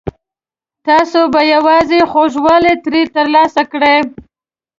تاسو به یوازې خوږوالی ترې ترلاسه کړئ.